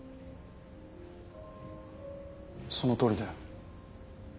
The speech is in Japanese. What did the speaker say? そのとおりだよ。